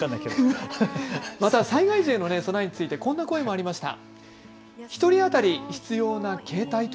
また災害時への備えについてこんな声もありました。